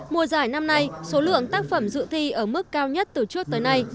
mùa giải năm nay số lượng tác phẩm dự thi ở mức cao nhất từ trước tới nay